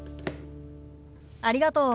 ありがとう。